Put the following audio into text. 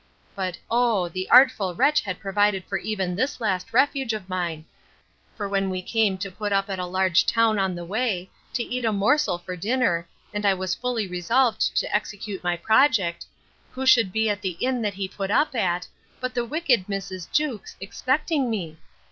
But, oh! the artful wretch had provided for even this last refuge of mine; for when we came to put up at a large town on the way, to eat a morsel for dinner, and I was fully resolved to execute my project, who should be at the inn that he put up at, but the wicked Mrs. Jewkes, expecting me!